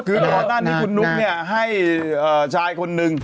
คือตอนนั้นคุณนุ๊ปให้ชายคนนึง